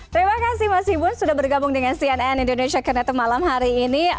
terima kasih mas ibu sudah bergabung dengan cnn indonesia connected malam hari ini